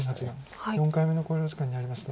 林八段４回目の考慮時間に入りました。